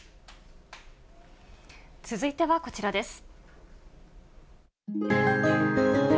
続いてはこちらです。